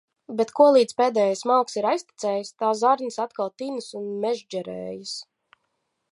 Bet kolīdz pēdējais malks ir aiztecējis, tā zarnas atkal tinas un mežģerējas.